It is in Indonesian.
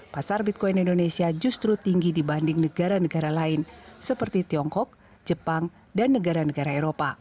pasar bitcoin indonesia justru tinggi dibanding negara negara lain seperti tiongkok jepang dan negara negara eropa